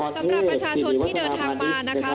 สำหรับประชาชนที่เดินทางมานะคะ